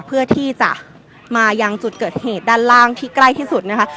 เพื่อที่จะมายังจุดเกิดเหตุด้านล่างที่ใกล้ที่สุดนะคะ